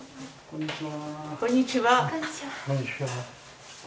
こんにちは。